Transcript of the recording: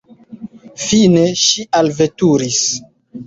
Fine ŝi alveturis.